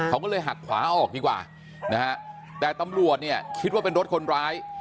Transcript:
เขาก็เลยหักขวาออกดีกว่านะฮะแต่ตำรวจเนี่ยคิดว่าเป็นรถคนร้าย